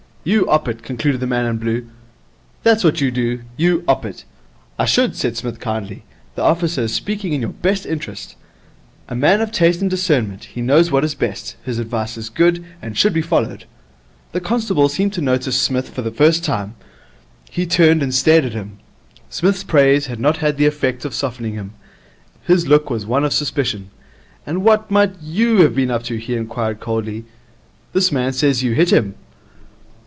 'You 'op it,' concluded the man in blue. 'That's what you do. You 'op it.' 'I should,' said Psmith kindly. 'The officer is speaking in your best interests. A man of taste and discernment, he knows what is best. His advice is good, and should be followed.' The constable seemed to notice Psmith for the first time. He turned and stared at him. Psmith's praise had not had the effect of softening him. His look was one of suspicion. 'And what might you have been up to?' he inquired coldly. 'This man says you hit him.'